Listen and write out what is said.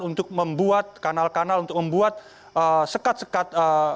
untuk membuat kanal kanal untuk membuat sekat sekat